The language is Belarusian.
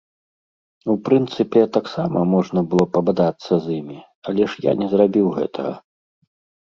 У прынцыпе, таксама можна было пабадацца з імі, але ж я не зрабіў гэтага.